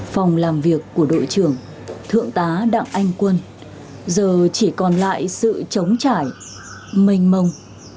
phòng làm việc của đội trưởng thượng tá đặng anh quân giờ chỉ còn lại sự chống trải mênh mông